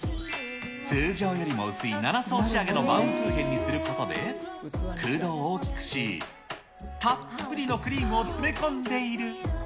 通常よりも薄い７層仕上げのバウムクーヘンにすることで、空洞を大きくし、たっぷりのクリームを詰め込んでいる。